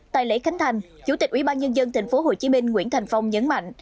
tại lễ khánh thành chủ tịch ubnd tp hcm nguyễn thành phong nhấn mạnh